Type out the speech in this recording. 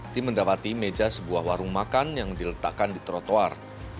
tim mendapati meja sebuah warung makan yang diletakkan di trotoar